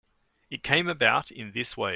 It came about in this way.